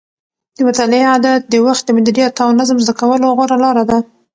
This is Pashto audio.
د مطالعې عادت د وخت د مدیریت او نظم زده کولو غوره لاره ده.